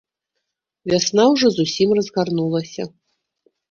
Вясна ўжо зусім разгарнулася.